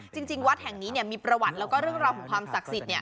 จริงวัดแห่งนี้มีประวัติแล้วก็เรื่องราวของความศักดิ์สิทธิ์